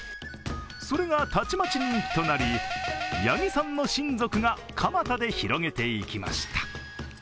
それがたちまち人気となり八木さんの親族が蒲田で広げていきました。